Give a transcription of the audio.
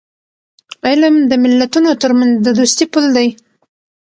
علم د ملتونو ترمنځ د دوستی پل دی.